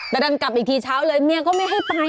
แต่ดันกลับอีกทีเช้าเลยเมียก็ไม่ให้ไป